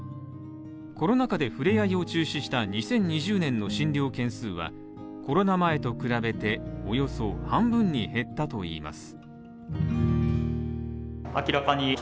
コロナ禍で触れ合いを中止した２０２０年の診療件数は、コロナ前と比べておよそ半分に減ったといいます。